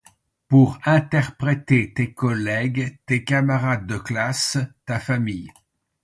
Pour interpréter tes collègues, tes camarades de classe, ta famille…